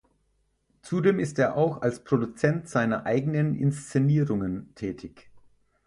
Zudem ist er auch als Produzent seiner eigenen Inszenierungen tätig.